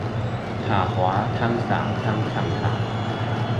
塔滑湯灑湯燙塔